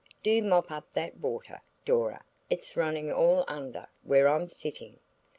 Do mop up that water, Dora; it's running all under where I'm sitting."